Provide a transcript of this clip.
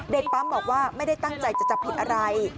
ปั๊มบอกว่าไม่ได้ตั้งใจจะจับผิดอะไร